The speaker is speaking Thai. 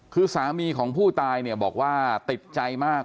คือสามีของผู้ตายเนี่ยบอกว่าติดใจมาก